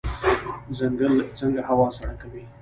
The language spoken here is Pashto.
ځنګل څنګه هوا سړه کوي؟